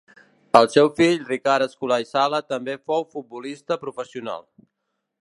El seu fill Ricard Escolà i Sala també fou futbolista professional.